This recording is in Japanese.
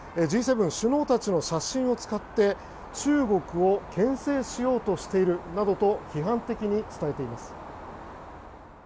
Ｇ７首脳たちの写真を使って中国をけん制しようとしているなどと批判的に伝えています。